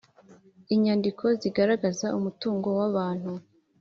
inyandiko zigaragaza umutungo w abantu